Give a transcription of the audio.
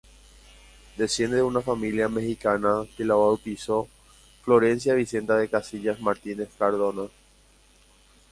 Desciende de una familia mexicana que la bautizó Florencia Vicenta de Casillas Martínez Cardona.